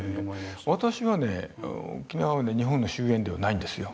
私はね沖縄はね日本の周縁ではないんですよ。